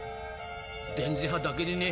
電磁波だけでねえ。